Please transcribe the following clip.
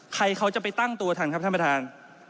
ใครเขาจะไปตั้งตัวทันครับท่านประธาน